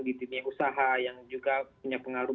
di dunia usaha yang juga punya pengaruh